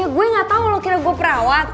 ya gue gak tau lo kira gue perawat